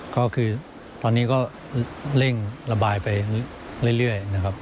ก็คือตอนนี้ก็เร่งระบายไปเรื่อยนะครับ